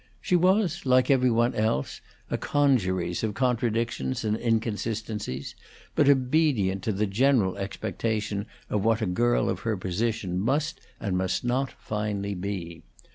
She was like every one else, a congeries of contradictions and inconsistencies, but obedient to the general expectation of what a girl of her position must and must not finally be.